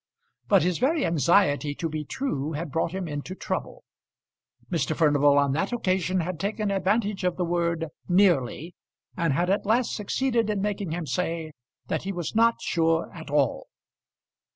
But his very anxiety to be true had brought him into trouble. Mr. Furnival on that occasion had taken advantage of the word "nearly," and had at last succeeded in making him say that he was not sure at all.